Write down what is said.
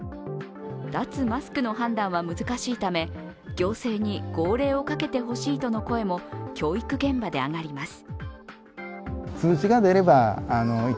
脱マスクの判断は難しいため行政に号令をかけてほしいとの声も教育現場で上がります。